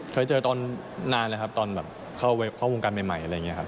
เคยเจอตอนนานนะครับตอนเข้าวงการใหม่อะไรอย่างนี้ครับ